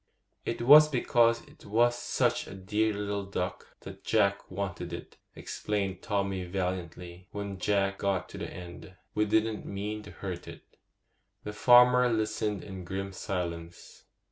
'It was because it was such a dear little duck that Jack wanted it,' explained Tommy valiantly, when Jack got to the end. 'We didn't mean to hurt it.' The farmer listened in grim silence.